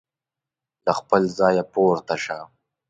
له خپل ځایه پورته شو.